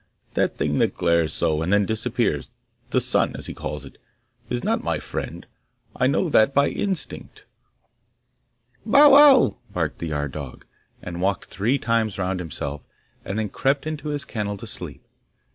That thing that glares so, and then disappears, the sun, as he calls it, is not my friend. I know that by instinct.' 'Bow wow!' barked the yard dog, and walked three times round himself, and then crept into his kennel to sleep.